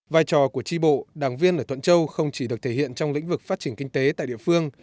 vai trò của tri bộ đảng viên ở thuận châu không chỉ được thể hiện trong lĩnh vực phát triển kinh tế tại địa phương